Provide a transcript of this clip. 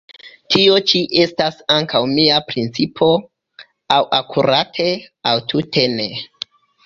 Tio ĉi estas ankaŭ mia principo; aŭ akurate, aŭ tute ne!